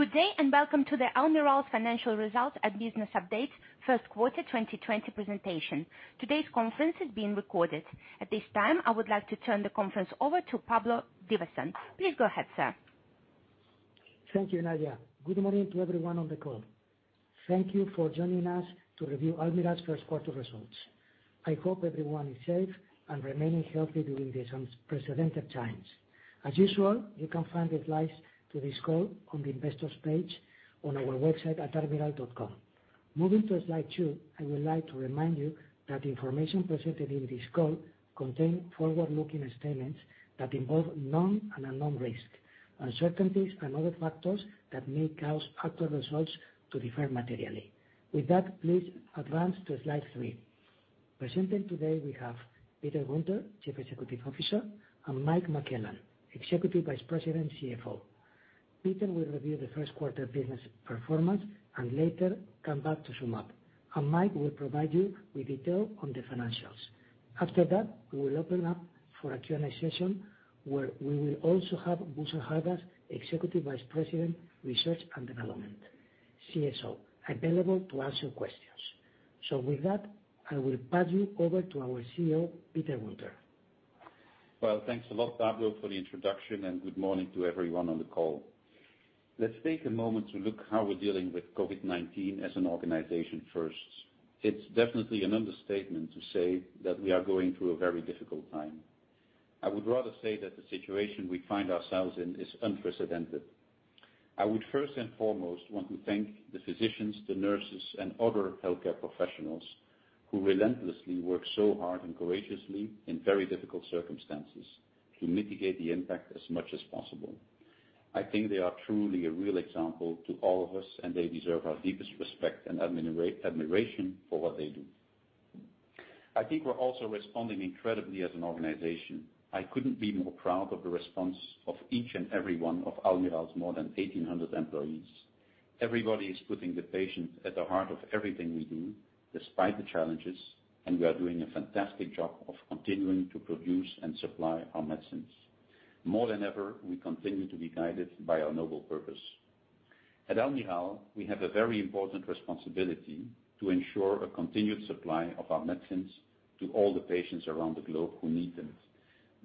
Good day, welcome to the Almirall's financial results and business update first quarter 2020 presentation. Today's conference is being recorded. At this time, I would like to turn the conference over to Pablo Divasson. Please go ahead, sir. Thank you, Nadia. Good morning to everyone on the call. Thank you for joining us to review Almirall's first quarter results. I hope everyone is safe and remaining healthy during these unprecedented times. As usual, you can find the slides to this call on the investors page on our website at almirall.com. Moving to slide two, I would like to remind you that the information presented in this call contain forward-looking statements that involve known and unknown risks, uncertainties and other factors that may cause actual results to differ materially. With that, please advance to slide three. Presenting today, we have Peter Guenter, Chief Executive Officer, and Mike McClellan, Executive Vice President CFO. Peter will review the first quarter business performance and later come back to sum up. Mike will provide you with detail on the financials. After that, we will open up for a Q&A session where we will also have Bhushan Hardas, Executive Vice President, Research and Development, CSO, available to answer questions. With that, I will pass you over to our CEO, Peter Guenter. Well, thanks a lot, Pablo, for the introduction. Good morning to everyone on the call. Let's take a moment to look how we're dealing with COVID-19 as an organization first. It's definitely an understatement to say that we are going through a very difficult time. I would rather say that the situation we find ourselves in is unprecedented. I would first and foremost want to thank the physicians, the nurses, and other healthcare professionals who relentlessly work so hard and courageously in very difficult circumstances to mitigate the impact as much as possible. I think they are truly a real example to all of us. They deserve our deepest respect and admiration for what they do. I think we're also responding incredibly as an organization. I couldn't be more proud of the response of each and every one of Almirall's more than 1,800 employees. Everybody is putting the patient at the heart of everything we do, despite the challenges, and we are doing a fantastic job of continuing to produce and supply our medicines. More than ever, we continue to be guided by our noble purpose. At Almirall, we have a very important responsibility to ensure a continued supply of our medicines to all the patients around the globe who need them.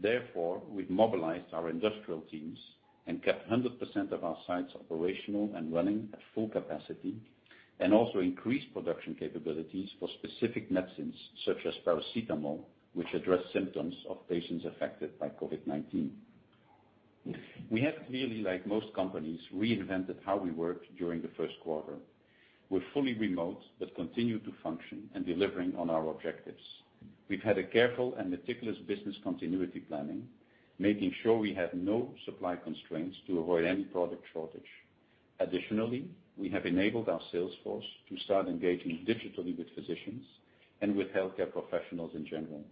Therefore, we've mobilized our industrial teams and kept 100% of our sites operational and running at full capacity, and also increased production capabilities for specific medicines such as paracetamol, which address symptoms of patients affected by COVID-19. We have clearly, like most companies, reinvented how we work during the first quarter. We're fully remote but continue to function and delivering on our objectives. We've had a careful and meticulous business continuity planning, making sure we have no supply constraints to avoid any product shortage. Additionally, we have enabled our sales force to start engaging digitally with physicians and with healthcare professionals in general.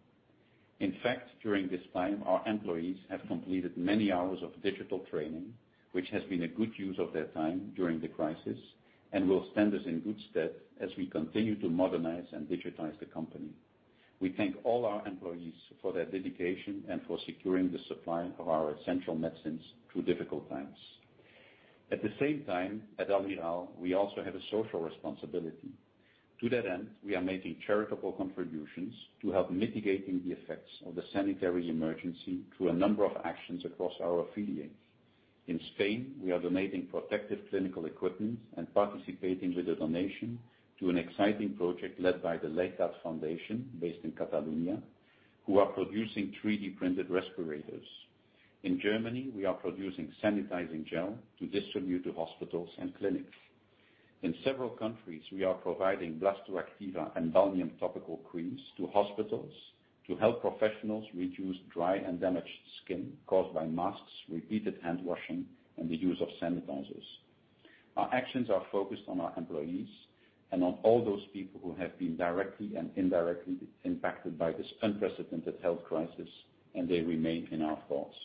In fact, during this time, our employees have completed many hours of digital training, which has been a good use of their time during the crisis and will stand us in good stead as we continue to modernize and digitize the company. We thank all our employees for their dedication and for securing the supply of our essential medicines through difficult times. At the same time, at Almirall, we also have a social responsibility. To that end, we are making charitable contributions to help mitigating the effects of the sanitary emergency through a number of actions across our affiliates. In Spain, we are donating protective clinical equipment and participating with a donation to an exciting project led by the Leitat Foundation based in Catalonia, who are producing 3D-printed respirators. In Germany, we are producing sanitizing gel to distribute to hospitals and clinics. In several countries, we are providing Blastoactiva and Balneum topical creams to hospitals to help professionals reduce dry and damaged skin caused by masks, repeated hand washing, and the use of sanitizers. Our actions are focused on our employees and on all those people who have been directly and indirectly impacted by this unprecedented health crisis, and they remain in our thoughts.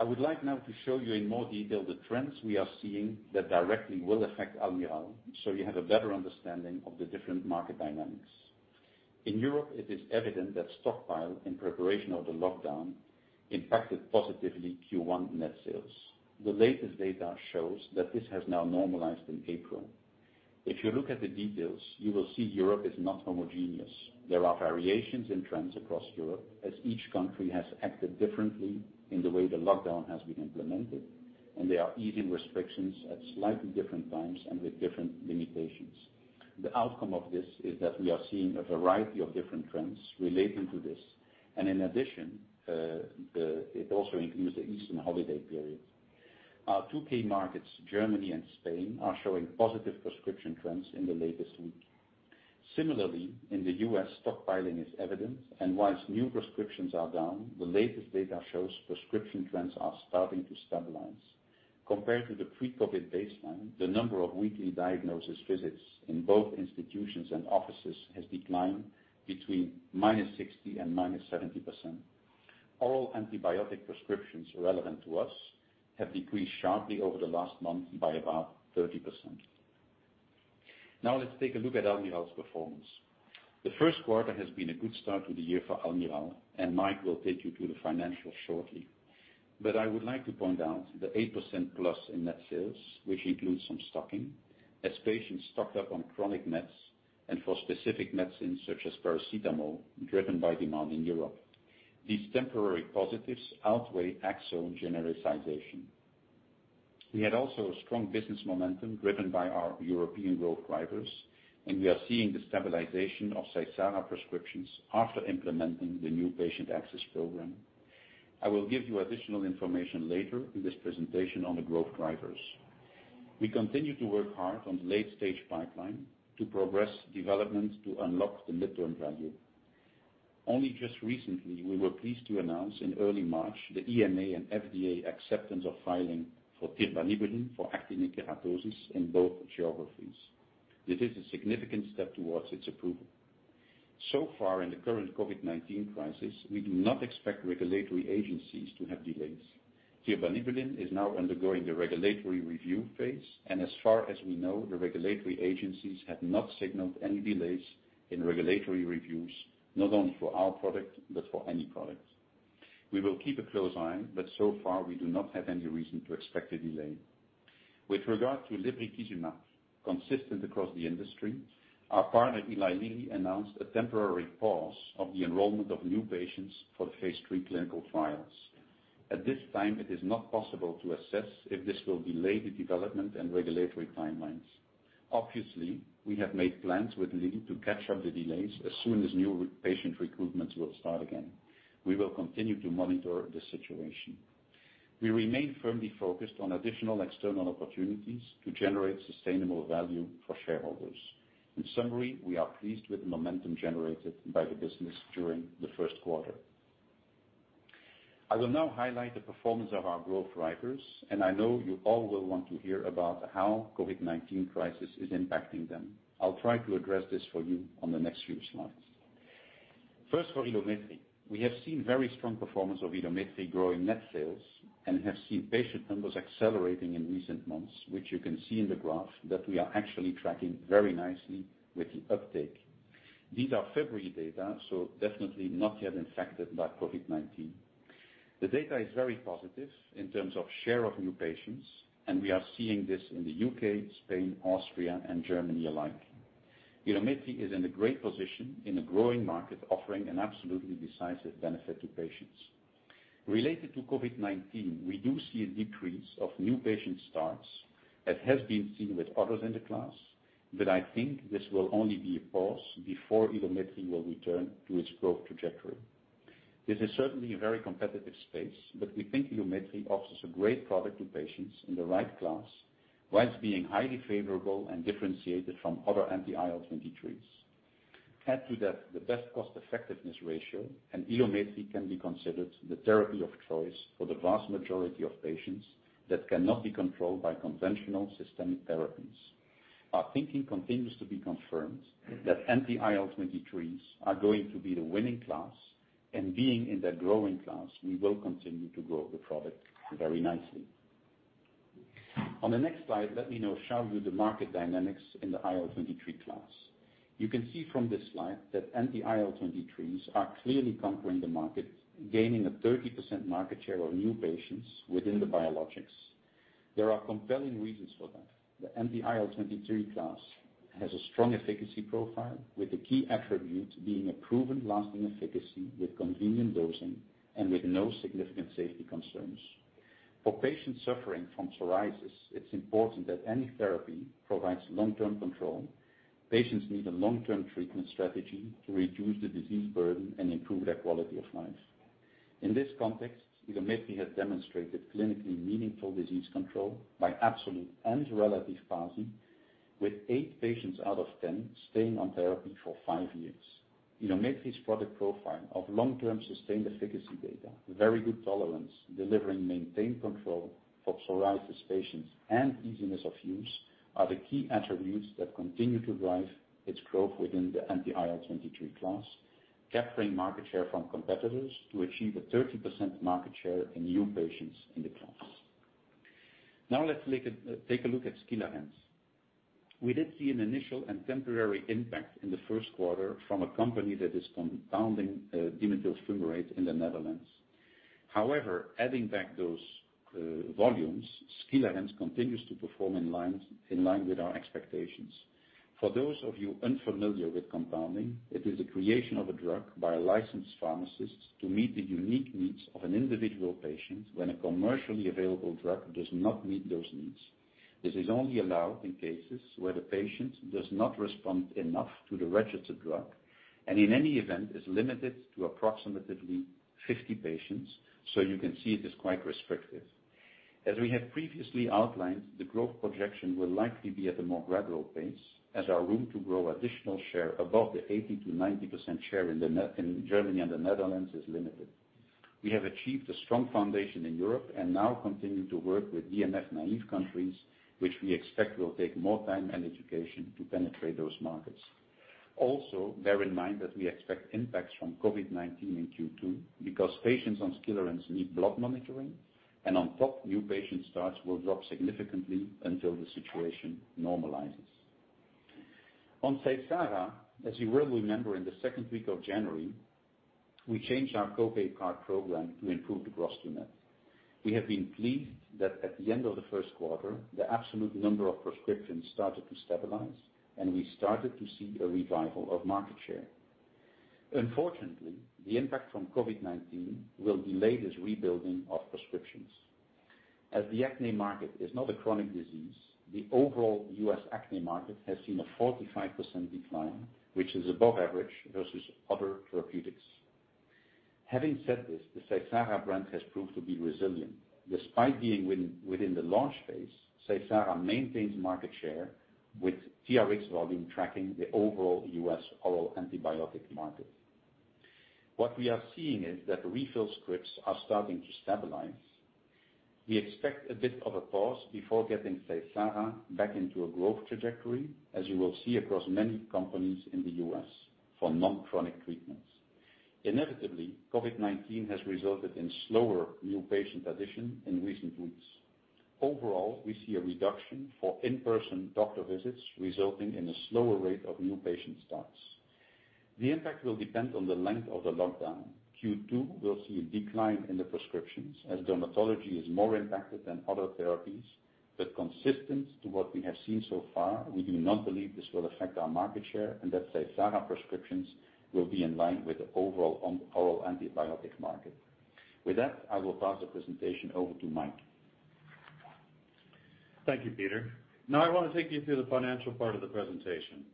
I would like now to show you in more detail the trends we are seeing that directly will affect Almirall, so you have a better understanding of the different market dynamics. In Europe, it is evident that stockpile in preparation of the lockdown impacted positively Q1 net sales. The latest data shows that this has now normalized in April. If you look at the details, you will see Europe is not homogeneous. There are variations in trends across Europe as each country has acted differently in the way the lockdown has been implemented, and they are easing restrictions at slightly different times and with different limitations. The outcome of this is that we are seeing a variety of different trends relating to this, and in addition, it also includes the Easter holiday period. Our 2 key markets, Germany and Spain, are showing positive prescription trends in the latest week. Similarly, in the U.S., stockpiling is evident, and whilst new prescriptions are down, the latest data shows prescription trends are starting to stabilize. Compared to the pre-COVID baseline, the number of weekly diagnosis visits in both institutions and offices has declined between -60% and -70%. Oral antibiotic prescriptions relevant to us have decreased sharply over the last month by about 30%. Now let's take a look at Almirall's performance. The first quarter has been a good start to the year for Almirall. Mike will take you through the financials shortly. I would like to point out the 8%+ in net sales, which includes some stocking, as patients stocked up on chronic meds and for specific medicines such as paracetamol, driven by demand in Europe. These temporary positives outweigh Aczone genericization. We had also strong business momentum driven by our European growth drivers. We are seeing the stabilization of Seysara prescriptions after implementing the new patient access program. I will give you additional information later in this presentation on the growth drivers. We continue to work hard on the late-stage pipeline to progress development to unlock the mid-term value. Only just recently, we were pleased to announce in early March the EMA and FDA acceptance of filing for tirbanibulin for actinic keratosis in both geographies. This is a significant step towards its approval. In the current COVID-19 crisis, we do not expect regulatory agencies to have delays. Tirbanibulin is now undergoing the regulatory review phase, and as far as we know, the regulatory agencies have not signaled any delays in regulatory reviews, not only for our product, but for any product. We will keep a close eye, but so far, we do not have any reason to expect a delay. With regard to lebrikizumab, consistent across the industry, our partner, Eli Lilly, announced a temporary pause of the enrollment of new patients for the phase III clinical trials. At this time, it is not possible to assess if this will delay the development and regulatory timelines. Obviously, we have made plans with Lilly to catch up the delays as soon as new patient recruitments will start again. We will continue to monitor the situation. We remain firmly focused on additional external opportunities to generate sustainable value for shareholders. In summary, we are pleased with the momentum generated by the business during the first quarter. I will now highlight the performance of our growth drivers, and I know you all will want to hear about how COVID-19 crisis is impacting them. I'll try to address this for you on the next few slides. First, for Ilumetri. We have seen very strong performance of Ilumetri growing net sales and have seen patient numbers accelerating in recent months, which you can see in the graph that we are actually tracking very nicely with the uptake. These are February data, definitely not yet infected by COVID-19. The data is very positive in terms of share of new patients, we are seeing this in the U.K., Spain, Austria, and Germany alike. Ilumetri is in a great position in a growing market, offering an absolutely decisive benefit to patients. Related to COVID-19, we do see a decrease of new patient starts, as has been seen with others in the class, I think this will only be a pause before Ilumetri will return to its growth trajectory. This is certainly a very competitive space, but we think it offers a great product to patients in the right class, whilst being highly favorable and differentiated from other anti-IL-23s. Add to that the best cost-effectiveness ratio, and Ilumetri can be considered the therapy of choice for the vast majority of patients that cannot be controlled by conventional systemic therapies. Our thinking continues to be confirmed that anti-IL-23s are going to be the winning class, and being in that growing class, we will continue to grow the product very nicely. On the next slide, let me now show you the market dynamics in the IL-23 class. You can see from this slide that anti-IL-23s are clearly conquering the market, gaining a 30% market share of new patients within the biologics. There are compelling reasons for that. The anti-IL-23 class has a strong efficacy profile, with the key attribute being a proven lasting efficacy with convenient dosing and with no significant safety concerns. For patients suffering from psoriasis, it's important that any therapy provides long-term control. Patients need a long-term treatment strategy to reduce the disease burden and improve their quality of life. In this context, Ilumetri has demonstrated clinically meaningful disease control by absolute and relative PASI, with eight patients out of 10 staying on therapy for five years. Ilumetri's product profile of long-term sustained efficacy data, very good tolerance, delivering maintained control for psoriasis patients, and easiness of use are the key attributes that continue to drive its growth within the anti-IL-23 class, capturing market share from competitors to achieve a 30% market share in new patients in the class. Now let's take a look at Skilarence. We did see an initial and temporary impact in the first quarter from a company that is compounding dimethyl fumarate in the Netherlands. Adding back those volumes, Skilarence continues to perform in line with our expectations. For those of you unfamiliar with compounding, it is the creation of a drug by a licensed pharmacist to meet the unique needs of an individual patient when a commercially available drug does not meet those needs. This is only allowed in cases where the patient does not respond enough to the registered drug, and in any event, is limited to approximately 50 patients, so you can see it is quite restrictive. As we have previously outlined, the growth projection will likely be at a more gradual pace, as our room to grow additional share above the 80%-90% share in Germany and the Netherlands is limited. We have achieved a strong foundation in Europe and now continue to work with DMF-naive countries, which we expect will take more time and education to penetrate those markets. Also, bear in mind that we expect impacts from COVID-19 in Q2 because patients on Skilarence need blood monitoring and on top new patient starts will drop significantly until the situation normalizes. On Seysara, as you will remember, in the second week of January, we changed our co-pay card program to improve the gross to net. We have been pleased that at the end of the first quarter, the absolute number of prescriptions started to stabilize and we started to see a revival of market share. Unfortunately, the impact from COVID-19 will delay this rebuilding of prescriptions. As the acne market is not a chronic disease, the overall U.S. acne market has seen a 45% decline, which is above average versus other therapeutics. Having said this, the Seysara brand has proved to be resilient. Despite being within the launch phase, Seysara maintains market share with TRx volume tracking the overall U.S. oral antibiotic market. What we are seeing is that the refill scripts are starting to stabilize. We expect a bit of a pause before getting Seysara back into a growth trajectory, as you will see across many companies in the U.S. for non-chronic treatments. Inevitably, COVID-19 has resulted in slower new patient addition in recent weeks. Overall, we see a reduction for in-person doctor visits resulting in a slower rate of new patient starts. The impact will depend on the length of the lockdown. Q2 will see a decline in the prescriptions as dermatology is more impacted than other therapies. Consistent to what we have seen so far, we do not believe this will affect our market share and that Seysara prescriptions will be in line with the overall oral antibiotic market. With that, I will pass the presentation over to Mike. Thank you, Peter. I want to take you through the financial part of the presentation.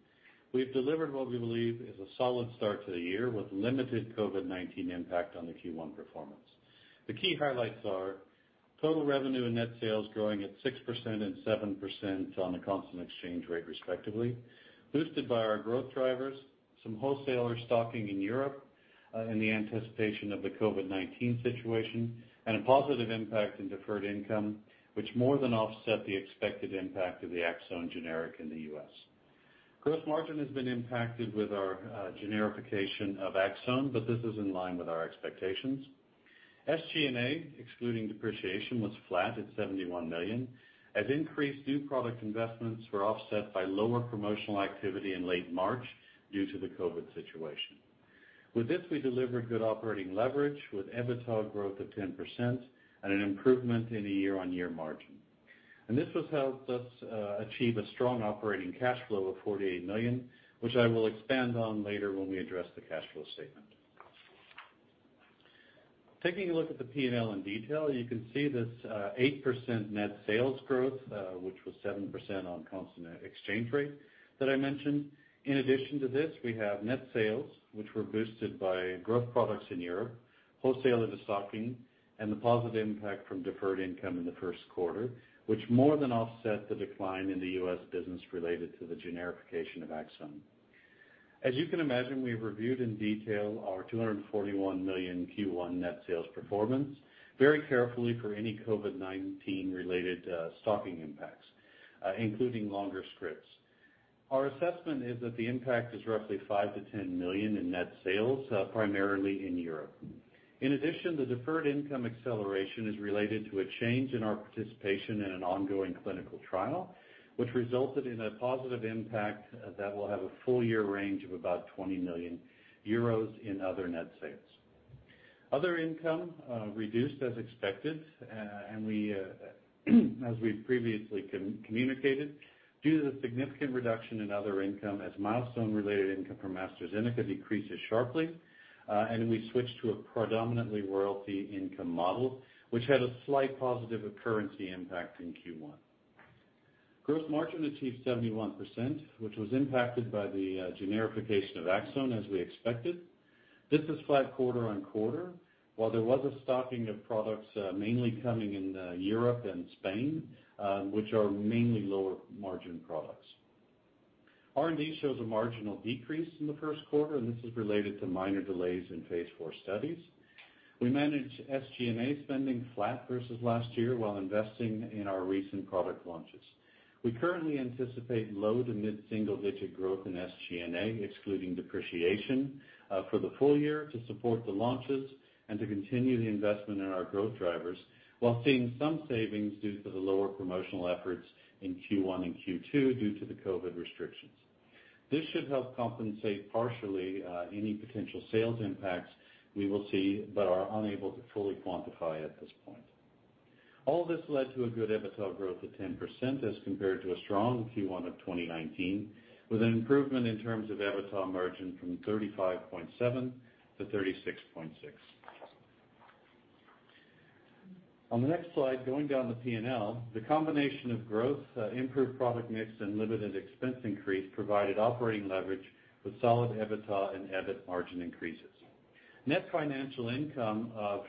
We've delivered what we believe is a solid start to the year with limited COVID-19 impact on the Q1 performance. The key highlights are total revenue and net sales growing at 6% and 7% on a constant exchange rate respectively, boosted by our growth drivers, some wholesaler stocking in Europe, in the anticipation of the COVID-19 situation and a positive impact in deferred income, which more than offset the expected impact of the Aczone generic in the U.S. Gross margin has been impacted with our generification of Aczone, this is in line with our expectations. SG&A, excluding depreciation was flat at 71 million as increased new product investments were offset by lower promotional activity in late March due to the COVID situation. With this, we delivered good operating leverage with EBITDA growth of 10% and an improvement in the year-on-year margin. This has helped us achieve a strong operating cash flow of 48 million, which I will expand on later when we address the cash flow statement. Taking a look at the P&L in detail, you can see this 8% net sales growth, which was 7% on constant exchange rate that I mentioned. In addition to this, we have net sales which were boosted by growth products in Europe, wholesaler de-stocking and the positive impact from deferred income in the first quarter, which more than offset the decline in the U.S. business related to the generification of Aczone. As you can imagine, we've reviewed in detail our 241 million Q1 net sales performance very carefully for any COVID-19 related stocking impacts, including longer scripts. Our assessment is that the impact is roughly 5 million-10 million in net sales, primarily in Europe. The deferred income acceleration is related to a change in our participation in an ongoing clinical trial, which resulted in a positive impact that will have a full year range of about 20 million euros in other net sales. Other income reduced as expected, as we previously communicated due to the significant reduction in other income as milestone related income from AstraZeneca decreases sharply and we switched to a predominantly royalty income model, which had a slight positive currency impact in Q1. Gross margin achieved 71%, which was impacted by the generification of Aczone as we expected. This is flat quarter-on-quarter. There was a stocking of products mainly coming in Europe and Spain, which are mainly lower margin products. R&D shows a marginal decrease in the first quarter and this is related to minor delays in phase IV studies. We managed SG&A spending flat versus last year while investing in our recent product launches. We currently anticipate low to mid single-digit growth in SG&A, excluding depreciation for the full year to support the launches and to continue the investment in our growth drivers while seeing some savings due to the lower promotional efforts in Q1 and Q2 due to the COVID restrictions. This should help compensate partially any potential sales impacts we will see but are unable to fully quantify at this point. All this led to a good EBITDA growth of 10% as compared to a strong Q1 of 2019 with an improvement in terms of EBITDA margin from 35.7% to 36.6%. On the next slide, going down the P&L, the combination of growth, improved product mix and limited expense increase provided operating leverage with solid EBITDA and EBIT margin increases. Net financial income of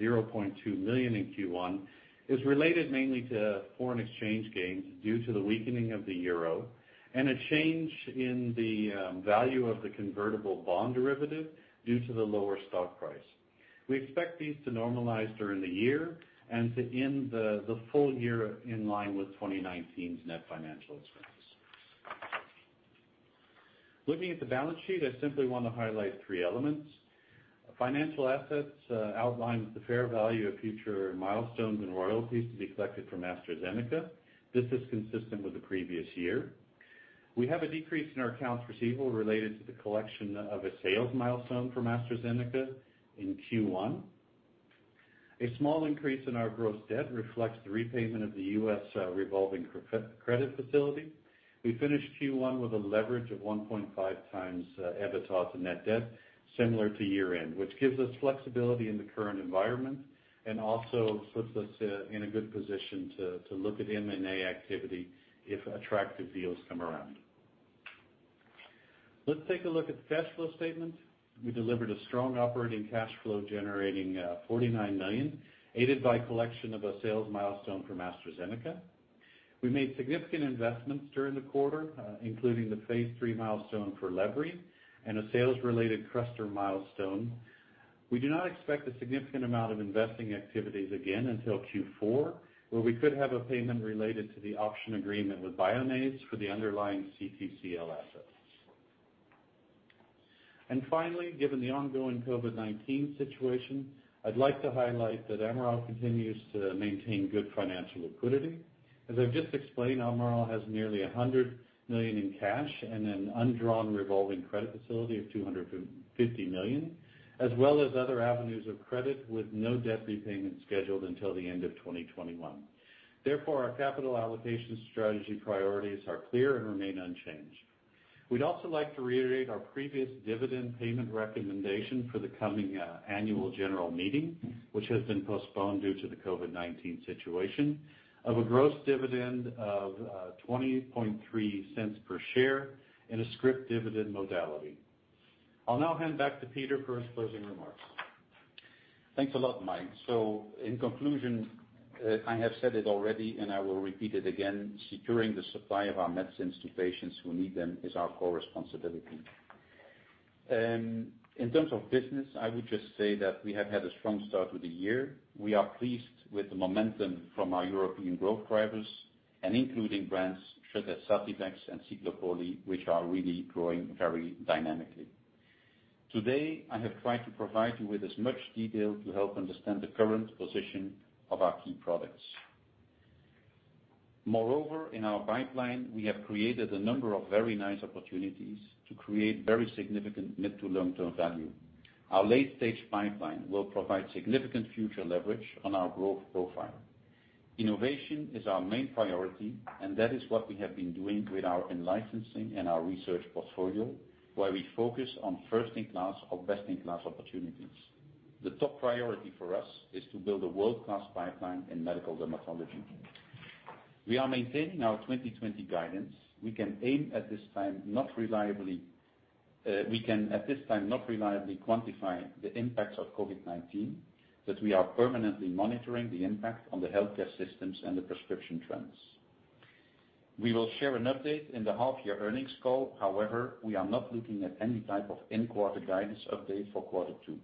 0.2 million in Q1 is related mainly to foreign exchange gains due to the weakening of the euro and a change in the value of the convertible bond derivative due to the lower stock price. We expect these to normalize during the year and to end the full year in line with 2019's net financial expense. Looking at the balance sheet, I simply want to highlight three elements. Financial assets outlines the fair value of future milestones and royalties to be collected from AstraZeneca. This is consistent with the previous year. We have a decrease in our accounts receivable related to the collection of a sales milestone from AstraZeneca in Q1. A small increase in our gross debt reflects the repayment of the U.S. revolving credit facility. We finished Q1 with a leverage of 1.5x EBITDA to net debt, similar to year-end, which gives us flexibility in the current environment and also puts us in a good position to look at M&A activity if attractive deals come around. Let's take a look at the cash flow statement. We delivered a strong operating cash flow generating, 49 million, aided by collection of a sales milestone from AstraZeneca. We made significant investments during the quarter, including the phase III milestone for lebry and a sales-related Crestor milestone. We do not expect a significant amount of investing activities again until Q4, where we could have a payment related to the option agreement with Bioniz for the underlying CTCL assets. Given the ongoing COVID-19 situation, I'd like to highlight that Almirall continues to maintain good financial liquidity. As I've just explained, Almirall has nearly 100 million in cash and an undrawn revolving credit facility of 250 million, as well as other avenues of credit with no debt repayment scheduled until the end of 2021. Our capital allocation strategy priorities are clear and remain unchanged. We'd also like to reiterate our previous dividend payment recommendation for the coming annual general meeting, which has been postponed due to the COVID-19 situation, of a gross dividend of 0.203 per share and a scrip dividend modality. I'll now hand back to Peter for his closing remarks. Thanks a lot, Mike. In conclusion, I have said it already, and I will repeat it again, securing the supply of our medicines to patients who need them is our core responsibility. In terms of business, I would just say that we have had a strong start with the year. We are pleased with the momentum from our European growth drivers and including brands such as Artifex and Ciclopoli, which are really growing very dynamically. Today, I have tried to provide you with as much detail to help understand the current position of our key products. Moreover, in our pipeline, we have created a number of very nice opportunities to create very significant mid to long-term value. Our late-stage pipeline will provide significant future leverage on our growth profile. Innovation is our main priority, and that is what we have been doing with our in-licensing and our research portfolio, where we focus on first-in-class or best-in-class opportunities. The top priority for us is to build a world-class pipeline in medical dermatology. We are maintaining our 2020 guidance. We can at this time not reliably quantify the impacts of COVID-19, but we are permanently monitoring the impact on the healthcare systems and the prescription trends. We will share an update in the half-year earnings call. However, we are not looking at any type of in-quarter guidance update for quarter two.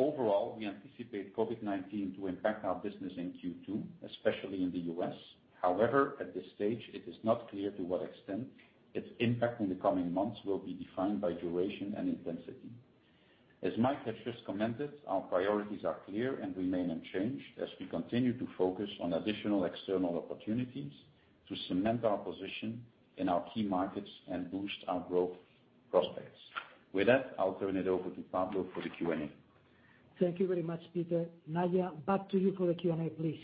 Overall, we anticipate COVID-19 to impact our business in Q2, especially in the U.S. However, at this stage, it is not clear to what extent its impact in the coming months will be defined by duration and intensity. As Mike has just commented, our priorities are clear and remain unchanged as we continue to focus on additional external opportunities to cement our position in our key markets and boost our growth prospects. With that, I'll turn it over to Pablo for the Q&A. Thank you very much, Peter. Nadia, back to you for the Q&A, please.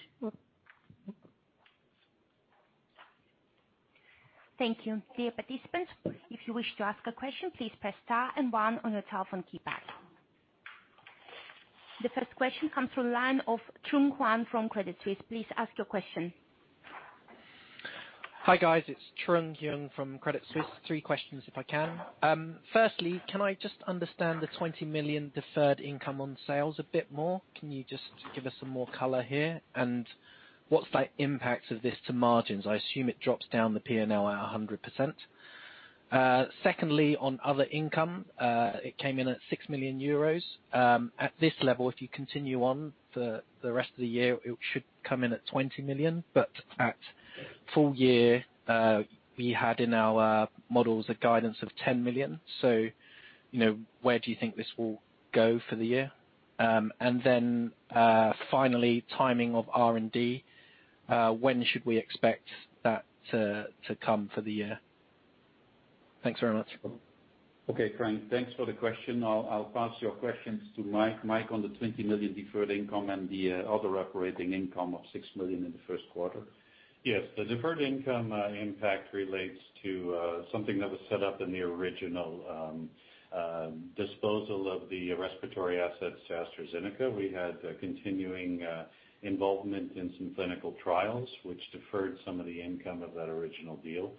Thank you. Dear participants, if you wish to ask a question, please press star and one on your telephone keypad. The first question comes from the line of Trung Huynh from Credit Suisse. Please ask your question. Hi, guys. It's Trung Huynh from Credit Suisse. Three questions if I can. Can I just understand the 20 million deferred income on sales a bit more? Can you just give us some more color here? What's the impact of this to margins? I assume it drops down the P&L at 100%. On other income, it came in at 6 million euros. At this level, if you continue on for the rest of the year, it should come in at 20 million, at full year, we had in our models a guidance of 10 million. Where do you think this will go for the year? Finally, timing of R&D. When should we expect that to come for the year? Thanks very much. Okay, Trung. Thanks for the question. I'll pass your questions to Mike. Mike, on the 20 million deferred income and the other operating income of 6 million in the first quarter. Yes. The deferred income impact relates to something that was set up in the original disposal of the respiratory assets to AstraZeneca. We had continuing involvement in some clinical trials, which deferred some of the income of that original deal.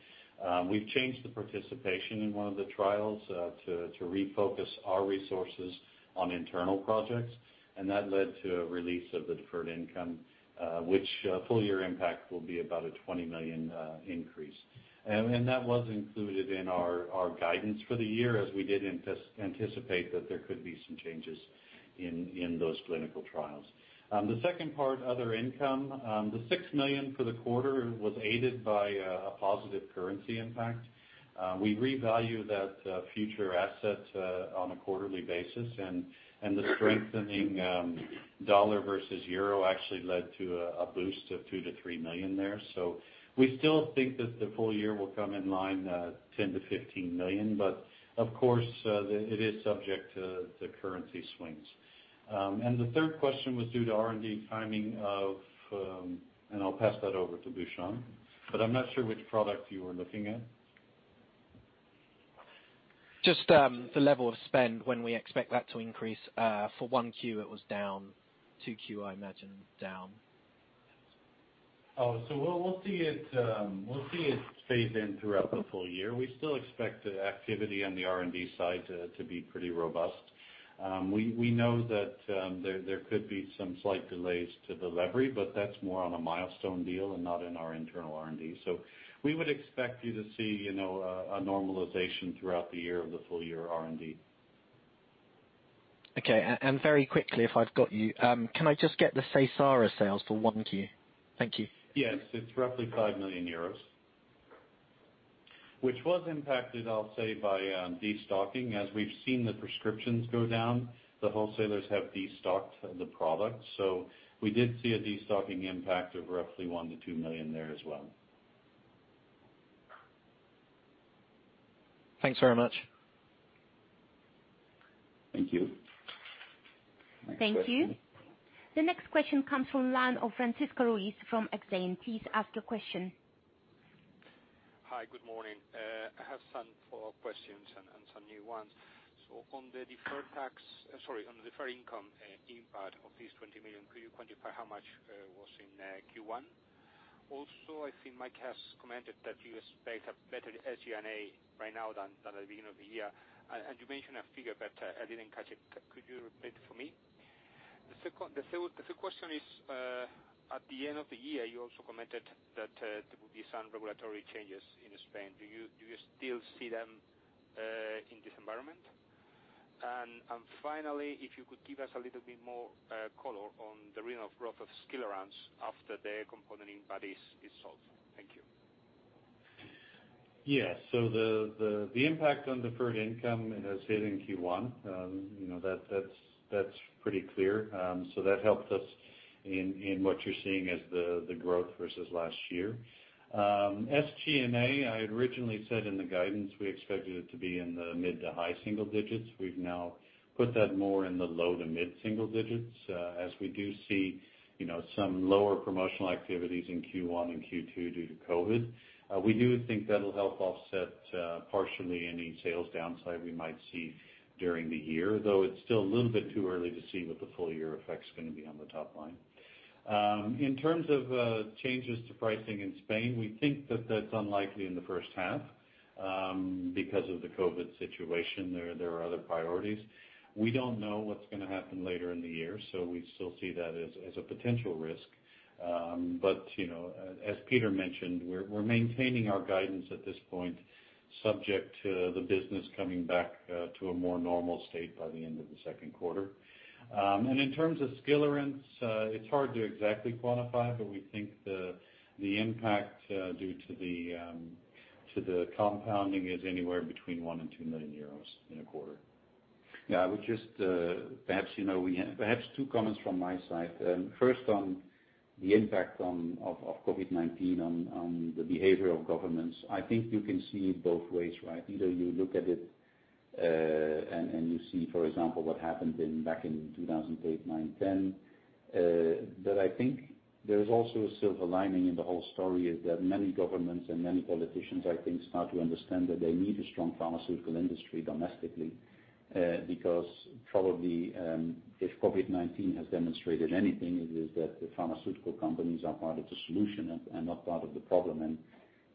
We've changed the participation in one of the trials to refocus our resources on internal projects. That led to a release of the deferred income, which full year impact will be about a 20 million increase. That was included in our guidance for the year, as we did anticipate that there could be some changes in those clinical trials. The second part, other income, the 6 million for the quarter was aided by a positive currency impact. We revalue that future asset on a quarterly basis, and the strengthening dollar versus euro actually led to a boost of 2 million-3 million there. We still think that the full year will come in line at 10 million-15 million, but of course, it is subject to the currency swings. The third question was due to R&D timing. I'll pass that over to Bhushan. I'm not sure which product you were looking at. Just the level of spend, when we expect that to increase. For one Q, it was down. Two Q, I imagine, down. We'll see it phase in throughout the full year. We still expect the activity on the R&D side to be pretty robust. We know that there could be some slight delays to delivery, that's more on a milestone deal and not in our internal R&D. We would expect you to see a normalization throughout the year of the full year R&D. Okay. very quickly, if I've got you, can I just get the Seysara sales for one Q? Thank you. It's roughly 5 million euros. It was impacted, I'll say, by de-stocking. We've seen the prescriptions go down, the wholesalers have de-stocked the product. We did see a de-stocking impact of roughly 1 million-2 million there as well. Thanks very much. Thank you. Thank you. The next question comes from line of Francisco Ruiz from Exane. Please ask your question. Hi, good morning. I have some follow-up questions and some new ones. On the deferred income impact of these 20 million, could you quantify how much was in Q1? I think Mike has commented that you expect a better SG&A right now than at the beginning of the year. You mentioned a figure, but I didn't catch it. Could you repeat it for me? The third question is, at the end of the year, you also commented that there would be some regulatory changes in Spain. Do you still see them in this environment? Finally, if you could give us a little bit more color on the rate of growth of Skilarence after the component impact is solved. Thank you. Yeah. The impact on deferred income has hit in Q1. That's pretty clear. That helped us in what you're seeing as the growth versus last year. SG&A, I had originally said in the guidance, we expected it to be in the mid to high single digits. We've now put that more in the low to mid single digits, as we do see some lower promotional activities in Q1 and Q2 due to COVID. We do think that'll help offset partially any sales downside we might see during the year, though it's still a little bit too early to see what the full year effect's going to be on the top line. In terms of changes to pricing in Spain, we think that that's unlikely in the first half. Because of the COVID situation, there are other priorities. We don't know what's going to happen later in the year. We still see that as a potential risk. As Peter mentioned, we're maintaining our guidance at this point, subject to the business coming back to a more normal state by the end of the second quarter. In terms of Skilarence, it's hard to exactly quantify. We think the impact due to the compounding is anywhere between one and two million EUR in a quarter. Yeah. Perhaps two comments from my side. First, on the impact of COVID-19 on the behavior of governments. I think you can see it both ways, right? Either you look at it and you see, for example, what happened back in 2008, 2009, 2020. I think there's also a silver lining in the whole story is that many governments and many politicians, I think, start to understand that they need a strong pharmaceutical industry domestically. Probably, if COVID-19 has demonstrated anything, it is that the pharmaceutical companies are part of the solution and not part of the problem.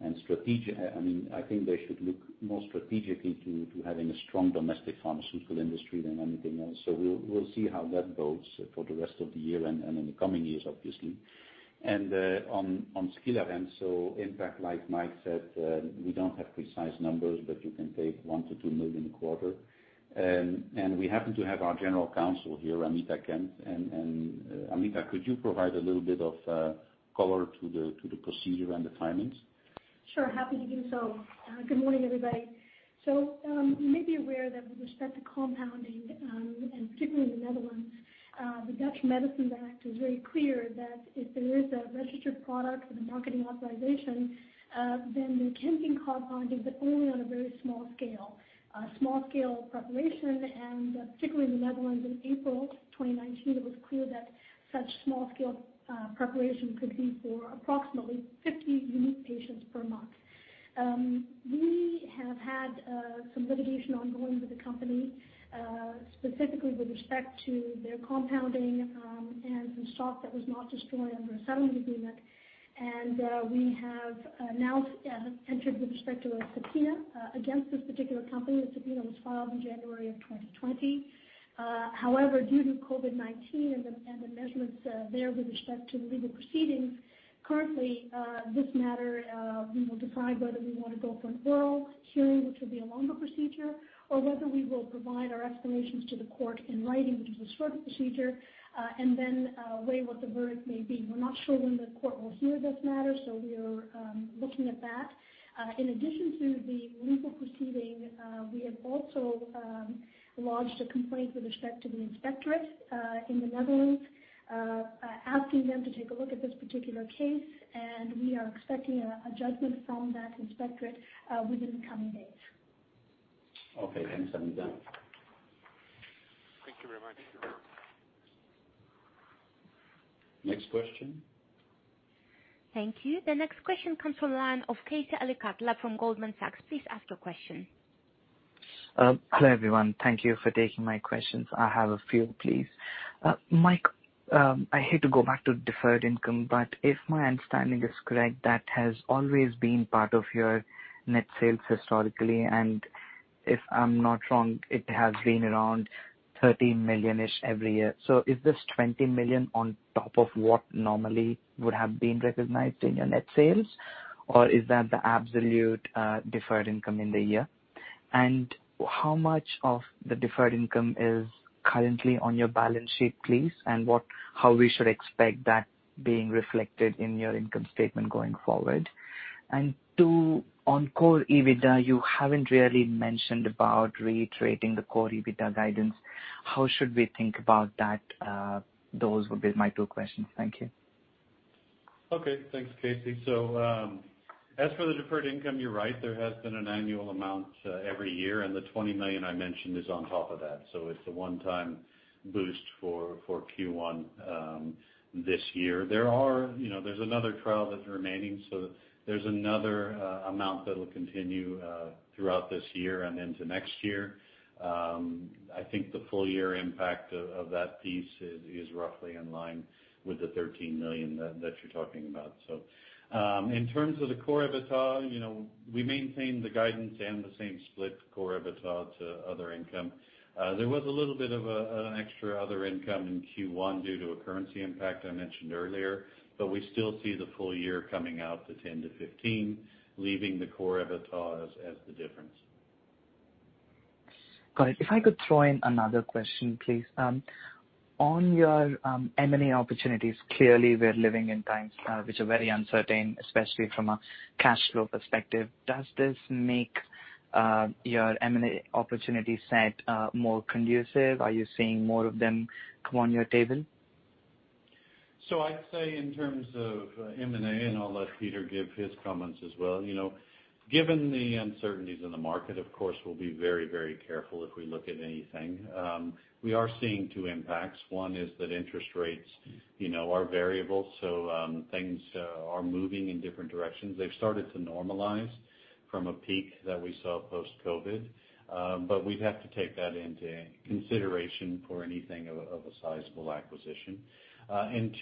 I think they should look more strategically to having a strong domestic pharmaceutical industry than anything else. We'll see how that goes for the rest of the year and in the coming years, obviously. On Skilarence, impact, like Mike said, we don't have precise numbers, but you can take 1 million-2 million a quarter. We happen to have our General Counsel here, Isabel Cristina Gomes. Isabel, could you provide a little bit of color to the procedure and the timings? Sure, happy to do so. Good morning, everybody. You may be aware that with respect to compounding, and particularly in the Netherlands, the Dutch Medicine Act is very clear that if there is a registered product with a marketing authorization, then there can be compounding, but only on a very small scale. A small-scale preparation, particularly in the Netherlands in April 2019, it was clear that such small-scale preparation could be for approximately 50 unique patients per month. We have had some litigation ongoing with the company, specifically with respect to their compounding Some stock that was not destroyed under a settlement agreement. We have now entered with respect to a subpoena against this particular company. The subpoena was filed in January of 2020. However, due to COVID-19 and the measurements there with respect to the legal proceedings, currently, this matter, we will decide whether we want to go for an oral hearing, which will be a longer procedure, or whether we will provide our explanations to the court in writing, which is a shorter procedure, then weigh what the verdict may be. We're not sure when the court will hear this matter, we are looking at that. In addition to the legal proceeding, we have also lodged a complaint with respect to the inspectorate in the Netherlands, asking them to take a look at this particular case, and we are expecting a judgment from that inspectorate within the coming days. Okay. Thanks, Isabel. Thank you very much. Next question. Thank you. The next question comes from the line of Keyur Parekh from Goldman Sachs. Please ask your question. Hello, everyone. Thank you for taking my questions. I have a few, please. Mike, I hate to go back to deferred income, but if my understanding is correct, that has always been part of your net sales historically. If I'm not wrong, it has been around 13 million-ish every year. Is this 20 million on top of what normally would have been recognized in your net sales? Or is that the absolute deferred income in the year? How much of the deferred income is currently on your balance sheet, please, and how we should expect that being reflected in your income statement going forward? Two, on core EBITDA, you haven't really mentioned about reiterating the core EBITDA guidance. How should we think about that? Those would be my two questions. Thank you. Okay. Thanks, Keyur. As for the deferred income, you're right. There has been an annual amount every year, and the 20 million I mentioned is on top of that. It's a one-time boost for Q1 this year. There's another trial that's remaining, so there's another amount that'll continue throughout this year and into next year. I think the full-year impact of that piece is roughly in line with the 13 million that you're talking about. In terms of the core EBITDA, we maintain the guidance and the same split core EBITDA to other income. There was a little bit of an extra other income in Q1 due to a currency impact I mentioned earlier, but we still see the full year coming out to 10-15 million, leaving the core EBITDA as the difference. Got it. If I could throw in another question, please. On your M&A opportunities, clearly we're living in times which are very uncertain, especially from a cash flow perspective. Does this make your M&A opportunity set more conducive? Are you seeing more of them come on your table? I'd say in terms of M&A. I'll let Peter give his comments as well. Given the uncertainties in the market, of course, we'll be very careful if we look at anything. We are seeing two impacts. One is that interest rates are variable. Things are moving in different directions. They've started to normalize from a peak that we saw post-COVID. We'd have to take that into consideration for anything of a sizable acquisition.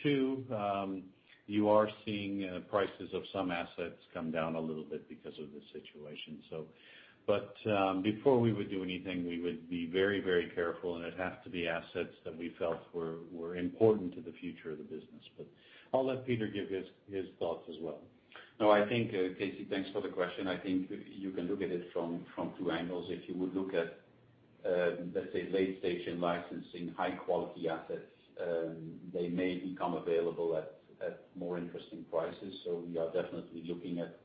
Two, you are seeing prices of some assets come down a little bit because of the situation. Before we would do anything, we would be very careful, and it'd have to be assets that we felt were important to the future of the business. I'll let Peter give his thoughts as well. No, I think, Keyur, thanks for the question. I think you can look at it from two angles. If you would look at, let's say, late-stage in licensing high-quality assets, they may become available at more interesting prices. We are definitely looking at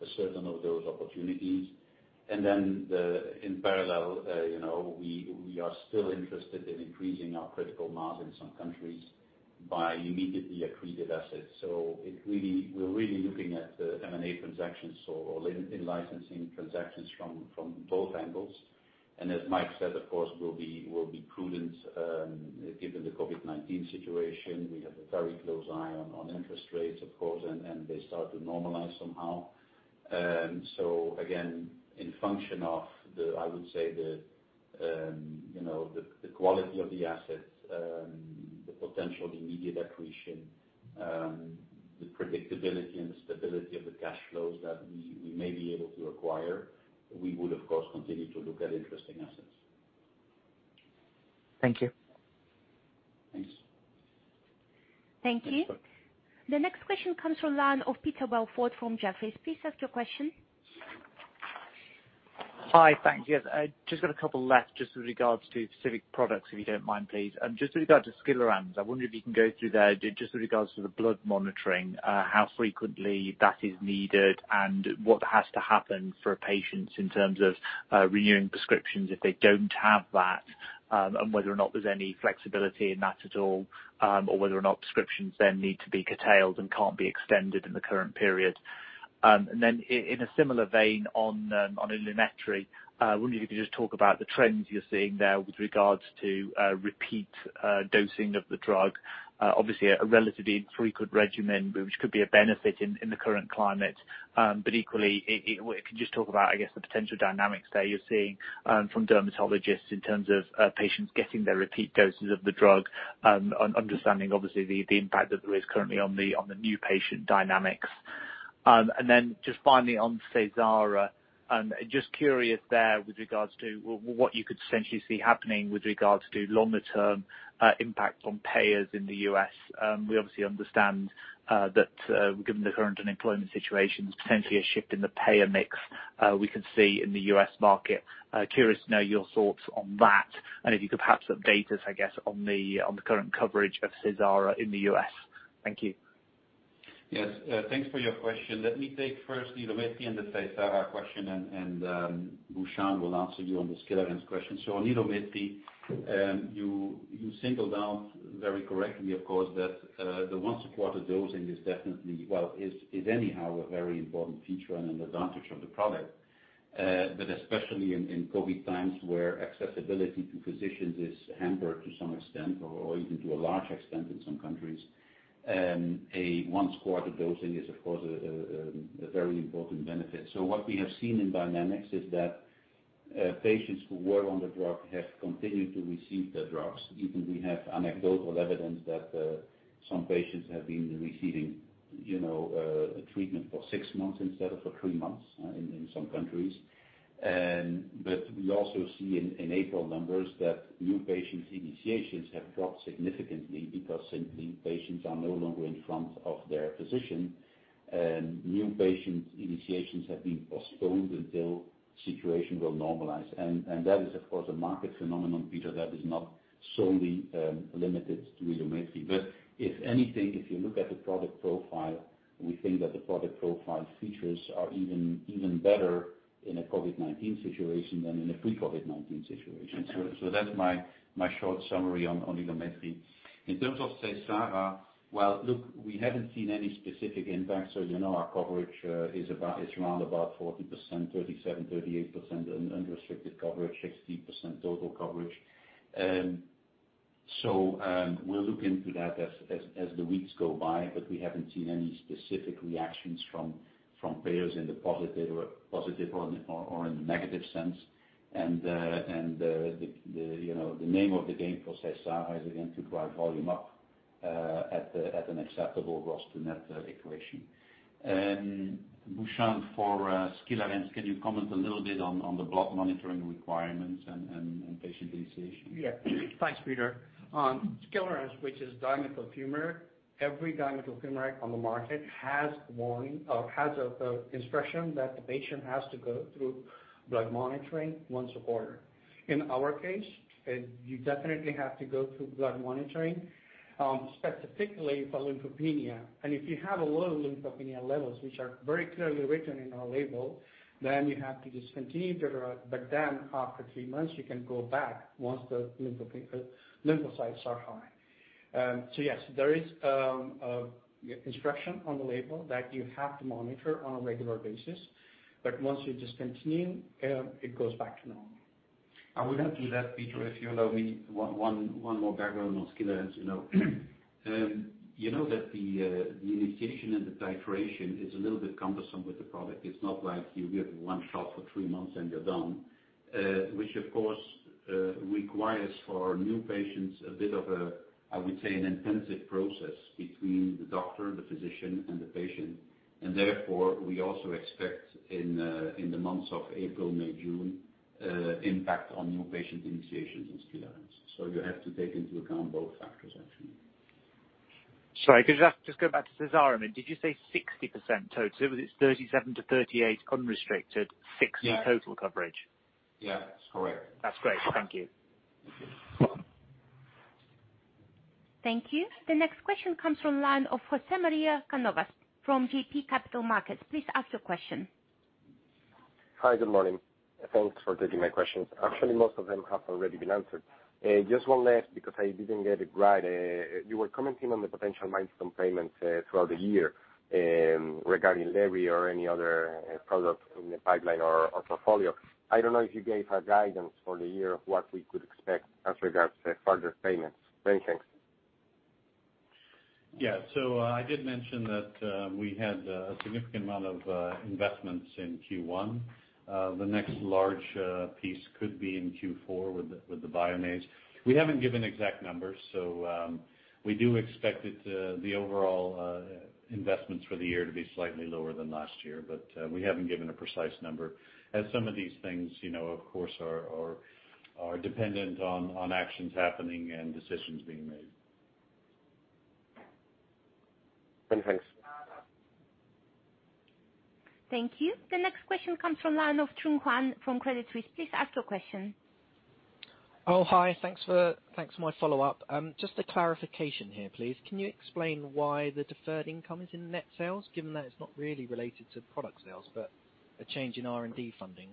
a certain of those opportunities. In parallel, we are still interested in increasing our critical mass in some countries by immediately accretive assets. We're really looking at the M&A transactions or in licensing transactions from both angles. As Mike said, of course, we'll be prudent given the COVID-19 situation. We have a very close eye on interest rates, of course, and they start to normalize somehow. Again, in function of the, I would say, the quality of the assets, the potential, the immediate accretion, the predictability and the stability of the cash flows that we may be able to acquire, we would of course, continue to look at interesting assets. Thank you. Thanks. Thank you. The next question comes from the line of Peter Welford from Jefferies. Please ask your question. Hi. Thanks. Yes, I just got a couple left just with regards to specific products, if you don't mind, please. Just with regard to Skilarence, I wonder if you can go through there just with regards to the blood monitoring, how frequently that is needed and what has to happen for patients in terms of renewing prescriptions if they don't have that, and whether or not there's any flexibility in that at all, or whether or not prescriptions then need to be curtailed and can't be extended in the current period. Then in a similar vein on Ilumetri, I wonder if you could just talk about the trends you're seeing there with regards to repeat dosing of the drug. Obviously, a relatively frequent regimen, which could be a benefit in the current climate. Equally, if you could just talk about, I guess, the potential dynamics there you're seeing from dermatologists in terms of patients getting their repeat doses of the drug and understanding obviously the impact that there is currently on the new patient dynamics. Just finally on Seysara, just curious there with regards to what you could essentially see happening with regards to longer-term impact on payers in the U.S. We obviously understand that given the current unemployment situation, there's potentially a shift in the payer mix we could see in the U.S. market. Curious to know your thoughts on that, and if you could perhaps update us, I guess, on the current coverage of Seysara in the U.S. Thank you. Yes. Thanks for your question. Let me take first the Ilumetri and the Seysara question, and Bhushan will answer you on the Skilarence question. On Ilumetri, you singled out very correctly, of course, that the once-a-quarter dosing is anyhow a very important feature and an advantage of the product. Especially in COVID times where accessibility to physicians is hampered to some extent, or even to a large extent in some countries, a once-a-quarter dosing is, of course, a very important benefit. What we have seen in dynamics is that patients who were on the drug have continued to receive the drugs. Even we have anecdotal evidence that some patients have been receiving treatment for six months instead of for three months in some countries. We also see in April numbers that new patient initiations have dropped significantly because simply patients are no longer in front of their physician. New patient initiations have been postponed until situation will normalize. That is, of course, a market phenomenon, Peter, that is not solely limited to Ilumetri. If anything, if you look at the product profile, we think that the product profile features are even better in a COVID-19 situation than in a pre-COVID-19 situation. That's my short summary on Ilumetri. In terms of Seysara, well, look, we haven't seen any specific impact. You know our coverage is around about 40%, 37%-38% unrestricted coverage, 60% total coverage. We'll look into that as the weeks go by, but we haven't seen any specific reactions from payers in the positive or in the negative sense. The name of the game for Seysara is again to drive volume up at an acceptable gross to net equation. Bhushan, for Skilarence, can you comment a little bit on the blood monitoring requirements and patient initiation? Yeah. Thanks, Peter. On Skilarence, which is dimethyl fumarate, every dimethyl fumarate on the market has a instruction that the patient has to go through blood monitoring once a quarter. In our case, you definitely have to go through blood monitoring, specifically for lymphopenia. If you have a low lymphopenia levels, which are very clearly written in our label, you have to discontinue the drug. After three months, you can go back once the lymphocytes are high. Yes, there is instruction on the label that you have to monitor on a regular basis, but once you discontinue, it goes back to normal. I would add to that, Peter, if you allow me one more background on Skilarence. You know that the initiation and the titration is a little bit cumbersome with the product. It's not like you give one shot for three months and you're done. Which, of course, requires for new patients a bit of a, I would say, an intensive process between the doctor, the physician, and the patient. Therefore, we also expect in the months of April, May, June, impact on new patient initiations on Skilarence. You have to take into account both factors, actually. Sorry, could you just go back to Seysara a minute. Did you say 60% total? It's 37%-38% unrestricted. Yeah 60 total coverage. Yeah, that's correct. That's great. Thank you. Welcome. Thank you. The next question comes from line of José María Cánovas from JB Capital Markets. Please ask your question. Hi. Good morning. Thanks for taking my questions. Actually, most of them have already been answered. Just one last because I didn't get it right. You were commenting on the potential milestone payments throughout the year regarding lebrikizumab or any other product in the pipeline or portfolio. I don't know if you gave a guidance for the year of what we could expect as regards to further payments. Many thanks. Yeah. I did mention that we had a significant amount of investments in Q1. The next large piece could be in Q4 with the Bioniz. We haven't given exact numbers, so we do expect the overall investments for the year to be slightly lower than last year. We haven't given a precise number. As some of these things, of course, are dependent on actions happening and decisions being made. Many thanks. Thank you. The next question comes from line of Trung Huynh from Credit Suisse. Please ask your question. Oh, hi. Thanks for my follow-up. Just a clarification here, please. Can you explain why the deferred income is in net sales, given that it's not really related to product sales, but a change in R&D funding?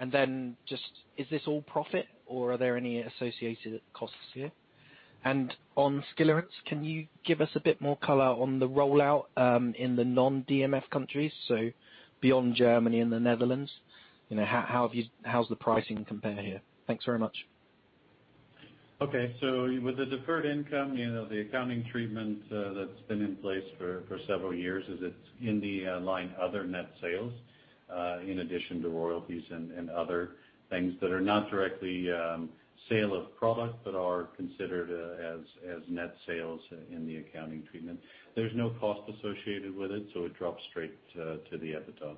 Is this all profit or are there any associated costs here? On Skilarence, can you give us a bit more color on the rollout in the non-DMF countries, so beyond Germany and the Netherlands? How's the pricing compare here? Thanks very much. Okay. With the deferred income, the accounting treatment that's been in place for several years is it's in the line other net sales, in addition to royalties and other things that are not directly sale of product but are considered as net sales in the accounting treatment. There's no cost associated with it, so it drops straight to the EBITDA.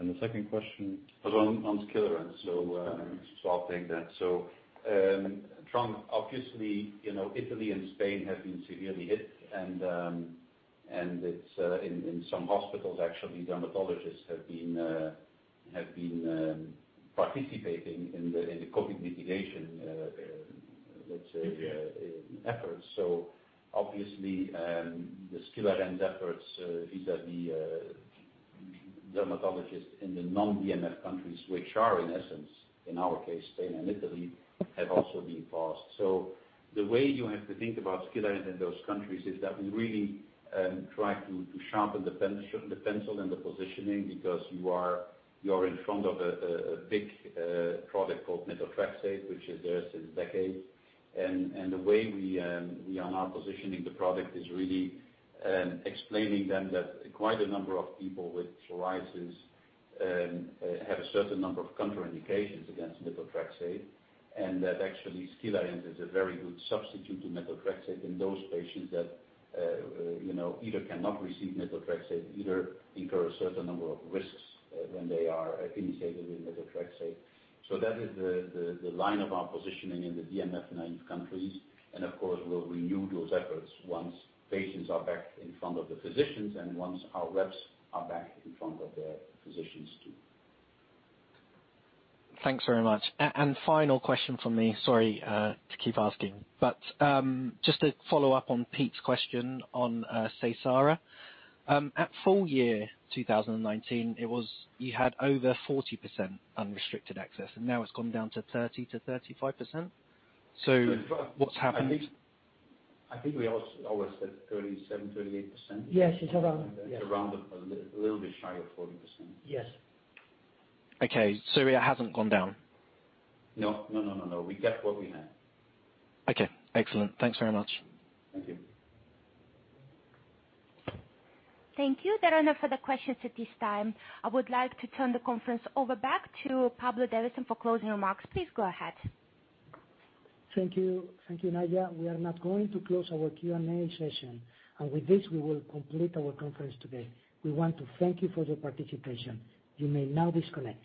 The second question? Was on Skilarence, I'll take that. Trung, obviously, Italy and Spain have been severely hit, and in some hospitals, actually, dermatologists have been participating in the COVID-19 mitigation efforts. Obviously, the Skilarence efforts vis-à-vis dermatologists in the non-DMF countries, which are, in essence, in our case, Spain and Italy, have also been paused. The way you have to think about Skilarence in those countries is that we really try to sharpen the pencil and the positioning because you are in front of a big product called methotrexate, which is there since decades. The way we are now positioning the product is really explaining them that quite a number of people with psoriasis have a certain number of contraindications against methotrexate, and that actually Skilarence is a very good substitute to methotrexate in those patients that either cannot receive methotrexate, either incur a certain number of risks when they are initiated with methotrexate. That is the line of our positioning in the DMF naive countries. Of course, we'll renew those efforts once patients are back in front of the physicians and once our reps are back in front of their physicians, too. Thanks very much. Final question from me. Sorry to keep asking. Just to follow up on Peter's question on Seysara. At full year 2019, you had over 40% unrestricted access, and now it's gone down to 30%-35%. What's happened? I think we always said 37%, 38%. Yes, it's around. Yeah. It's around a little bit shy of 40%. Yes. Okay. It hasn't gone down? No. We kept what we had. Okay. Excellent. Thanks very much. Thank you. Thank you. There are no further questions at this time. I would like to turn the conference over back to Pablo Divasson for closing remarks. Please go ahead. Thank you, Nadia. We are now going to close our Q&A session. With this, we will complete our conference today. We want to thank you for your participation. You may now disconnect.